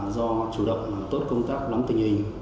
do chủ động tốt công tác lắm tình hình